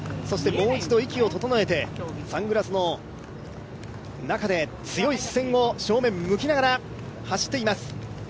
もう一度息を整えて、サングラスの中で強い視線を正面向きながら走っています。